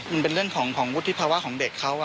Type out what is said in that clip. มันเป็นเรื่องของวุฒิภาวะของเด็กเขา